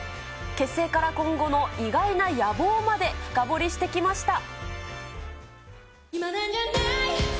結成から今後の意外な野望まで深掘りしてきました。